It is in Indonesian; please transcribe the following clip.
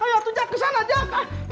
ayo atu jak kesana jak